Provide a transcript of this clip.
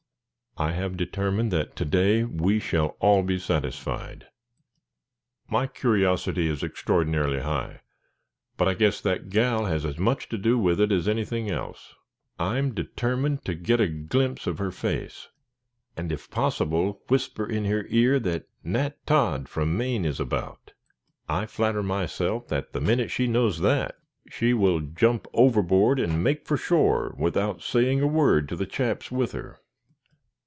I have determined that to day we shall all be satisfied." "My curiosity is extraordinarily high; but I guess that gal has as much to do with it as anything else. I'm determined to get a glimpse of her face, and, if possible, whisper in her ear that Nat Todd, from Maine, is about. I flatter myself that the minute she knows that, she will jump overboard and make for shore without saying a word to the chaps with her."